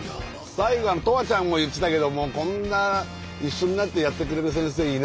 最後とわちゃんも言ってたけども「こんな一緒になってやってくれる先生いない！」